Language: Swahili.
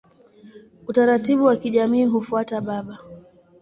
Utaratibu wa kijamii hufuata baba.